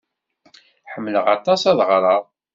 Ḥemmleɣ aṭas ad ɣreɣ.